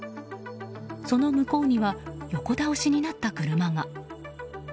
その向こうには横倒しになった車が。